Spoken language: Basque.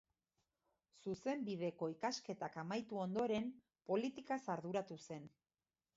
Zuzenbideko ikasketak amaitu ondoren, politikaz arduratu zen.